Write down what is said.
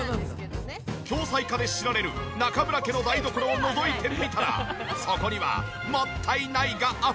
恐妻家で知られる中村家の台所をのぞいてみたらそこにはもったいないがあふれていた！